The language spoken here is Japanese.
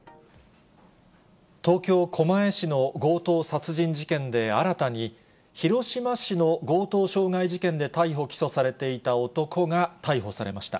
東京・狛江市の強盗殺人事件で新たに、広島市の強盗傷害事件で逮捕・起訴されていた男が逮捕されました。